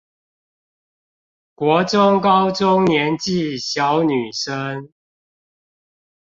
國中高中年紀小女生